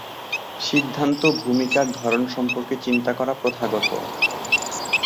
সিদ্ধান্ত ভূমিকার ধরন সম্পর্কে চিন্তা করা প্রথাগত।